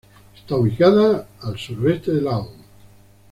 Está ubicada a al suroeste de Laon.